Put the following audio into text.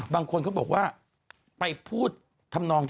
บางคนเขาบอกว่าไปพูดทำนอง